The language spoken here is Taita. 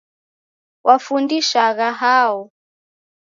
Wafundishagha hao?